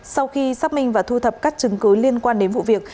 sau khi xác minh và thu thập các chứng cứ liên quan đến vụ việc